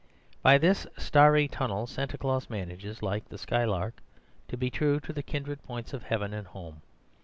By this starry tunnel Santa Claus manages—like the skylark— to be true to the kindred points of heaven and home.